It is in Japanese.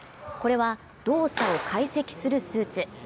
これは動作を解析するスーツ。